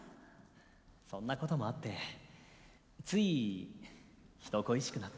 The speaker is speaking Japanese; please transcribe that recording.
そんなこともあってつい人恋しくなって。